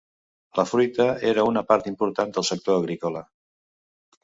La fruita era una part important del sector agrícola.